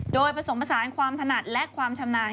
โดยผสมผสานความถนัดและความชำนาญ